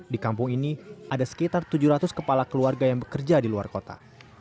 di kampung ini ada sekitar tujuh ratus kepala keluarga yang bekerja di luar kota